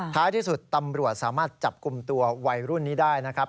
ท้ายที่สุดตำรวจสามารถจับกลุ่มตัววัยรุ่นนี้ได้นะครับ